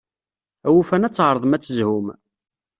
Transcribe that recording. Awufan ad tɛeṛḍem ad tezhum.